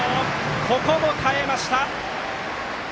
ここも耐えました。